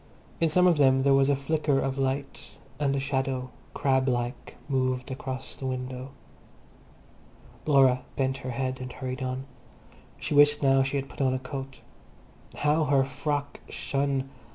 In some of them there was a flicker of light, and a shadow, crab like, moved across the window. Laura bent her head and hurried on. She wished now she had put on a coat. How her frock shone!